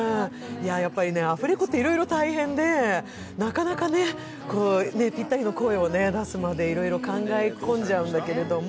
アフレコっていろいろ大変で、なかなかぴったりの声を出すまでいろいろ考え込んじゃうんだけれど。